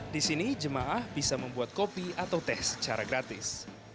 di sini jemaah bisa membuat kopi atau teh secara gratis